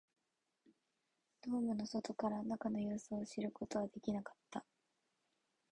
ドームの外から中の様子を知ることはできなかった